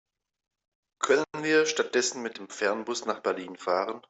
Können wir stattdessen mit dem Fernbus nach Berlin fahren?